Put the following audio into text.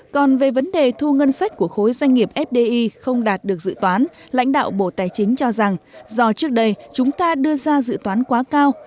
còn về vấn đề thu ngân sách của khối doanh nghiệp fdi không đạt được dự toán lãnh đạo bộ tài chính cho rằng do trước đây chúng ta đưa ra dự toán quá cao